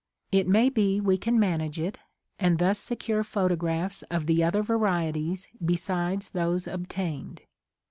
It may be we can manage it and thus secure photographs of the other varieties besides those obtained.